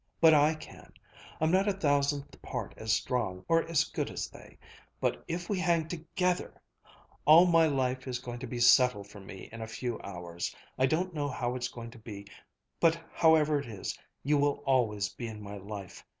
But I can. I'm not a thousandth part as strong or as good as they; but if we hang together! All my life is going to be settled for me in a few hours. I don't know how it's going to be. But however it is, you will always be in my life.